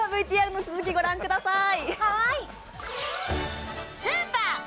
ＶＴＲの続きご覧ください。